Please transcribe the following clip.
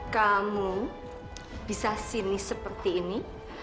kamu bisa sini seperti ini